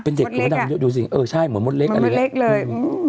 เป็นเด็กเหมือนมดดำอยู่สิเออใช่เหมือนมดเล็กเลย